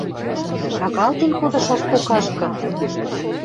Шагалтен кодышаш покашкы?